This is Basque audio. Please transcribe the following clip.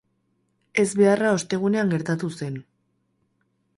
Ezbeharra ostegunean gertatu zen.